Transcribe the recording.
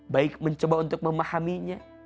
baik mencoba untuk memahaminya